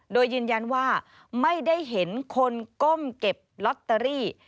โดยยืนยันว่าไม่ได้เห็นคนก้มเก็บลอตเตอรี่